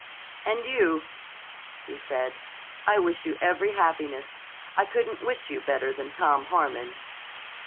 "And you," he said. "I wish you every happiness. I couldn't wish you better than Tom Harmon."